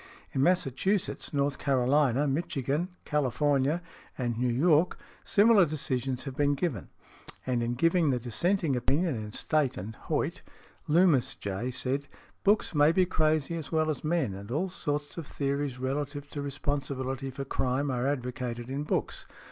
In Massachusetts, North Carolina, Michigan, California and New York, similar decisions have been given ; and in giving the dissenting opinion in State and Hoyt , Loomis, J., said, "Books may be crazy as well as men, and all sorts of theories relative to responsibility for crime are advocated in books.